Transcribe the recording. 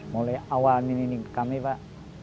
mulai awal nining kami pak